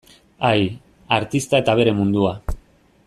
Ai, artista eta bere mundua.